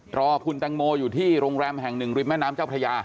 รอคุณแตงโมอยู่ที่โรงแรมแห่งหนึ่งริมแม่น้ำเจ้าพระยา